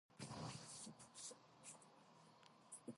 ფართობით იგი ისრაელის უდიდესი რაიონია, თუმცა ყველაზე მწირადაა დასახლებული.